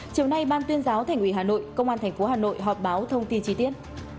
chiều nay ban tuyên giáo thành ủy hà nội công an thành phố hà nội họp báo thông tin chi tiết